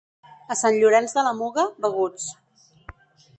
A Sant Llorenç de la Muga, beguts.